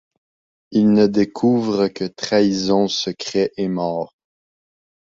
Ils ne découvrent que trahison, secrets et mort.